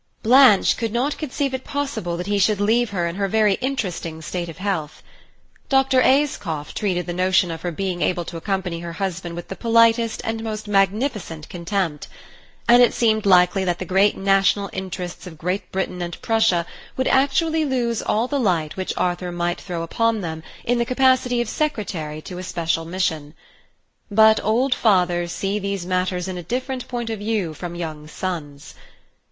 Blanche could not conceive it possible that he should leave her in her very interesting state of health. Dr. Ayscough treated the notion of her being able to accompany her husband with the politest and most magnificent contempt; and it seemed likely that the great national interests of Great Britain and Prussia would actually lose all the light which Arthur might throw upon them in the capacity of Secretary to a special mission. But old fathers see these matters in a different point of view from young sons.